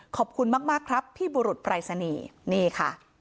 ขอบคุณมากครับพี่บุรุษปรายศนีย์นี่ค่ะ